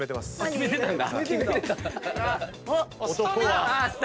決めてたんだ。